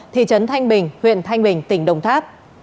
thị trấn thanh bình huyện thanh bình tỉnh đồng tháp